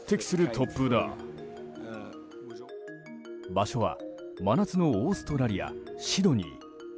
場所は、真夏のオーストラリア・シドニー。